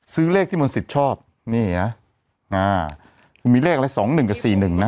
ซื้อเลขที่มนตร์สิทธิ์ชอบนี่นะอ่ามีเลขอะไร๒๑กับ๔๑นะ